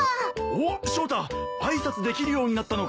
おっショウタ挨拶できるようになったのか？